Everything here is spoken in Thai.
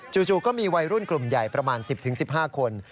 จู่ก็มีวัยรุ่นกลุ่มใหญ่ประมาณ๑๐๑๕คน